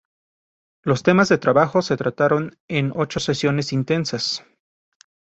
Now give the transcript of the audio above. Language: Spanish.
Los temas de trabajo se trataron en ocho sesiones intensas.